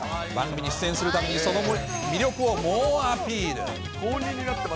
番組に出演するたびにその魅力を猛アピール。